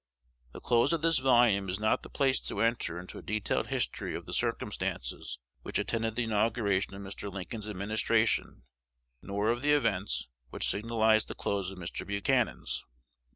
The close of this volume is not the place to enter into a detailed history of the circumstances which attended the inauguration of Mr. Lincoln's administration, nor of the events which signalized the close of Mr. Buchanan's.